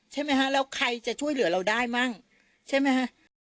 ใช่ไหมคะแล้วใครจะช่วยเหลือเราได้มั่งใช่ไหมฮะ